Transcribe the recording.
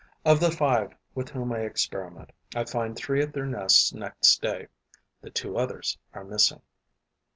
Of the five with whom I experiment, I find three at their nests next day; the two others are missing.